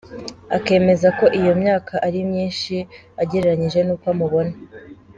Akemeza ko iyo myaka ari myinshi agereranyije n’uko amubona.